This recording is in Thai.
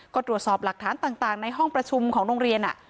ก็ตรวจสอบหลักฐานต่างในห้องประชุมของโรงเรียน